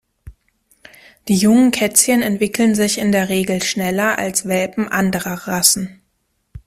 Die jungen Kätzchen entwickeln sich in der Regel schneller als Welpen anderer Rassen.